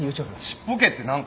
「ちっぽけ」って何か。